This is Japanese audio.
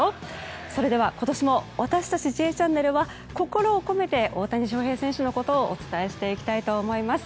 それでは今年も私たち「Ｊチャンネル」は心を込めて大谷翔平選手のことをお伝えしていきたいと思います。